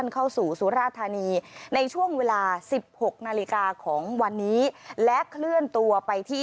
เข้าสู่สุราธานีในช่วงเวลาสิบหกนาฬิกาของวันนี้และเคลื่อนตัวไปที่